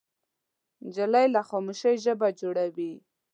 نجلۍ له خاموشۍ ژبه جوړوي.